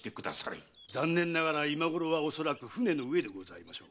残念ながら今ごろはおそらく船の上でございましょう。